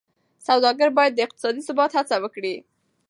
سوداګر باید د اقتصادي ثبات هڅه وکړي.